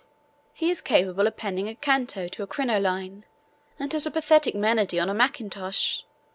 He is capable of penning a canto to a crinoline, and has a pathetic monody on a mackintosh.